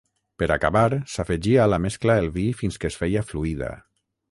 Per acabar s'afegia a la mescla el vi fins que es feia fluida.